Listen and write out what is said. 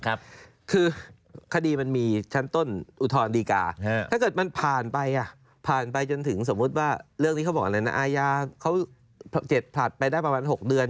เรื่องนี้เขาบอกอะไรนะอาญาเขาเจ็ดผลัดไปได้ประมาณ๖เดือน